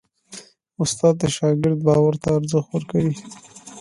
استاد د شاګرد باور ته ارزښت ورکوي.